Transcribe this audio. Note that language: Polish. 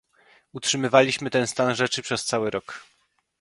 Utrzymywaliśmy ten stan rzeczy przez cały rok